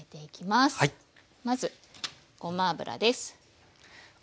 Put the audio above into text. まずごま油です。